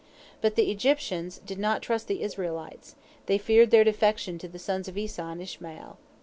But the Egyptians did not trust the Israelites, they feared their defection to the sons of Esau and Ishmael.